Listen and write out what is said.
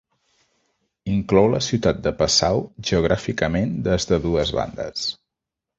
Inclou la ciutat de Passau geogràficament des de dues bandes.